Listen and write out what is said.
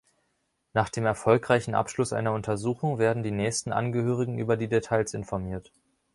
Nach dem erfolgreichen Abschluss einer Untersuchung werden die nächsten Angehörigen über die Details informiert.